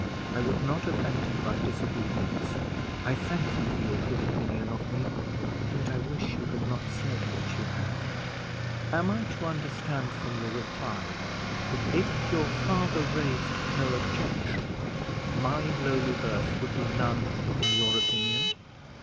I would not offend him by disobedience. I thank you for your good opinion of me, and yet I wish you had not said what you have." "Am I to understand from your reply, that, if your father raised no objection, my lowly birth would be none in your opinion?"